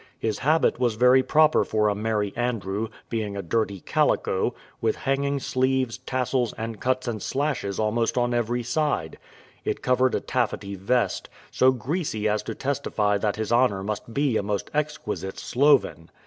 His habit was very proper for a merry andrew, being a dirty calico, with hanging sleeves, tassels, and cuts and slashes almost on every side: it covered a taffety vest, so greasy as to testify that his honour must be a most exquisite sloven.